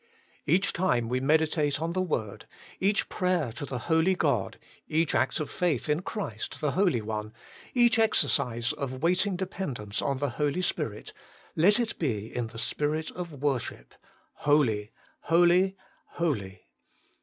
Each time we medi tate on the Word, each prayer to the Holy God, each act of faith in Christ the Holy One, each exercise of waiting dependence on the Holy Spirit, let it be in the spirit of worship : Holy, holy, holy.